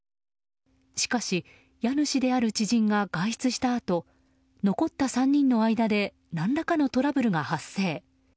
しかし、家主である知人が外出したあと残った３人の間で何らかのトラブルが発生。